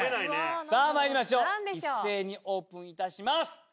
さぁまいりましょう一斉にオープンいたします。